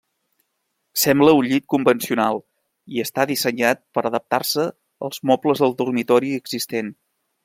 Sembla un llit convencional i està dissenyat per adaptar-se als mobles del dormitori existent.